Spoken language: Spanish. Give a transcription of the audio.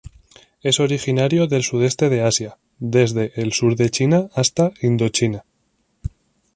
Es originario del sudeste de Asia desde el sur de China hasta Indochina.